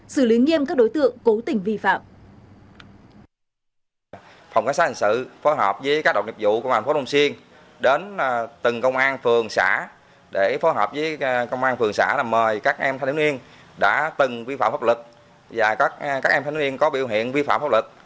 xử lý nghiêm các đối tượng cố tình vi phạm